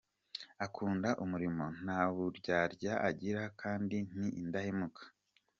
Akunda umurimo, nta buryarya agira kandi ni indahemuka.